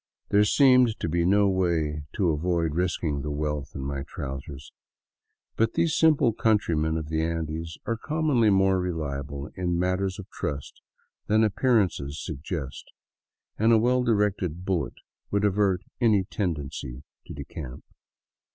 There seemed to be no way to avoid risking the wealth in my trousers ,* but these simple countrymen of the Andes are commonly more reliable in matters of trust than appearances suggest, and a well directed bullet would avert any tendency to decamp.